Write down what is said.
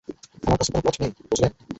আমার কাছে আর কোনো পথ নেই, বুঝলেন?